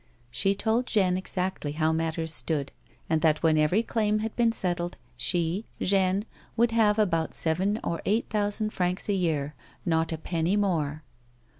She told Jeanne exactly how mattei's stood, and that when every claim had been settled she, Jeanne, would have about seven or eight thousand francs a year ; not a penny more.